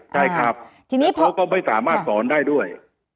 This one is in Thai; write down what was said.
ใช่ครับทีนี้เขาก็ไม่สามารถสอนได้ด้วย